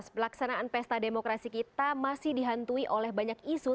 pelaksanaan pesta demokrasi kita masih dihantui oleh banyak isu